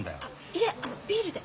いえあのビールで。